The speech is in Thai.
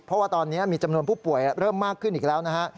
เพราะว่าตอนนี้มีจำนวนผู้ป่วยเริ่มมากขึ้นอีกแล้วนะฮะ